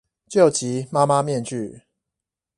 救急媽媽面具